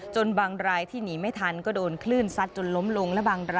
จนบางรายที่หนีไม่ทันก็โดนคลื่นซัดจนล้มลง